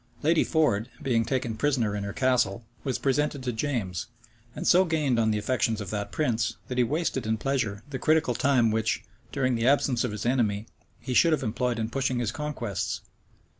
Lady Ford, being taken prisoner in her castle, was presented to James, and so gained on the affections of that prince, that he wasted in pleasure the critical time which, during the absence of his enemy, he should have employed in pushing his conquests.